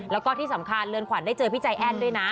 แล้วก็ที่สำคัญเรือนขวัญได้เจอพี่ใจแอ้นด้วยนะ